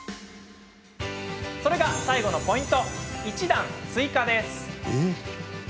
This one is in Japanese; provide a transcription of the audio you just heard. それが最後のポイント一段追加です。